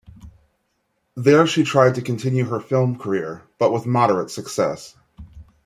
There she tried to continue her film career, but with moderate success.